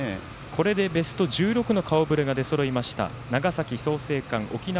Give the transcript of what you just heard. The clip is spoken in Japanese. これでベスト１６の顔ぶれが出そろいました。